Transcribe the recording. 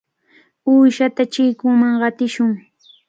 Uyshata chikunman qatishun.